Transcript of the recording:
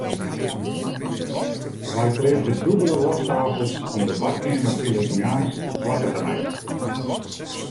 Wy pleatse dûbelde wasktafels om de badkeamerfiles moarns koarter te meitsjen.